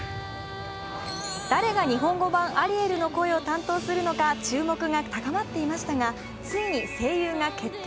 誰が日本語版アリエルの声を担当するのか注目が高まっていましたが、ついに声優が決定。